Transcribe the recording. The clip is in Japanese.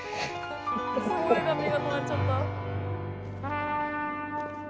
すごい髪形になっちゃった。